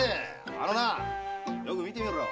あのなあよく見てみろ。